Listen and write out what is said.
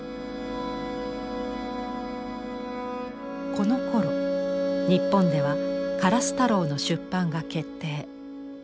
このころ日本では「からすたろう」の出版が決定。